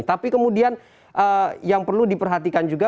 tapi kemudian yang perlu diperhatikan juga